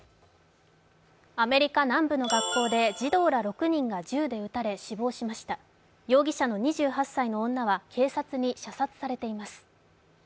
アメリカ南部の学校で児童ら６人が銃で撃たれ死亡しました容疑者の２８歳の女は警察に射殺されています。